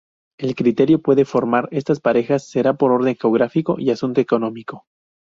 El criterio para formar estas parejas será por orden geográfico y asunto económico.